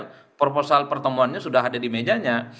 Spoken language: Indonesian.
dan proposal pertemuannya sudah ada di mejanya